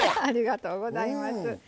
ありがとうございます。